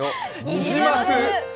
ニジマス！